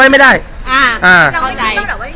เราไม่คิดว่าเก้าอาจจะรอเราอยู่ก็ได้